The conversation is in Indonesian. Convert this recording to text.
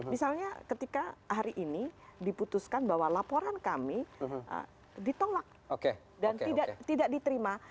misalnya ketika hari ini diputuskan bahwa laporan kami ditolak dan tidak diterima